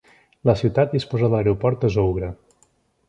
La ciutat disposa de l'aeroport de Zougra.